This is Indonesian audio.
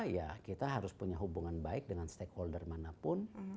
ya kita harus punya hubungan baik dengan stakeholder manapun